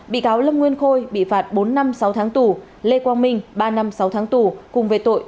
bị cáo lâm nguyên khôi bị phạt bốn năm sáu tháng tù lê quang minh ba năm sáu tháng tù cùng về tội